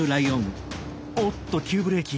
おっと急ブレーキ。